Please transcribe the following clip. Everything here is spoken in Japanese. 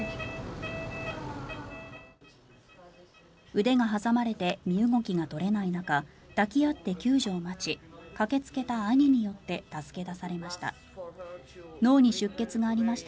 腕が挟まれて身動きが取れない中抱き合って救助を待ち駆けつけた兄によって助け出されました。